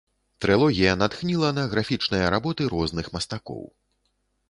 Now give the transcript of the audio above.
Трылогія натхніла на графічныя работы розных мастакоў.